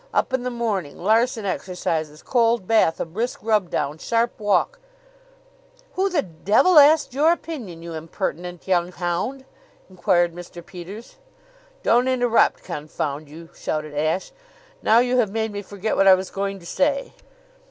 Up in the morning, Larsen Exercises, cold bath, a brisk rubdown, sharp walk " "Who the devil asked your opinion, you impertinent young hound?" inquired Mr. Peters. "Don't interrupt confound you!" shouted Ashe. "Now you have made me forget what I was going to say."